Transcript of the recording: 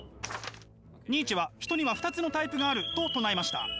ニーチェは人には２つのタイプがあると唱えました。